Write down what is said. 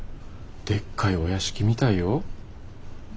でっかいお屋敷みたいよ。